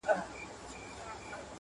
راځه د ژوند په ځمکه بیا وکړو